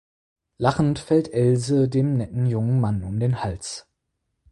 Lachend fällt Else dem netten jungen Mann um den Hals.